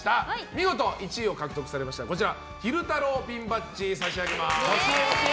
見事、１位を獲得されましたら昼太郎ピンバッジ差し上げます。